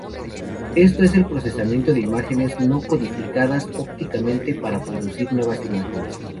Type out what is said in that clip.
Esto es el procesamiento de imágenes no codificadas ópticamente para producir nuevas imágenes.